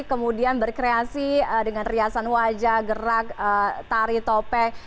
kemudian berkreasi dengan riasan wajah gerak tari topeng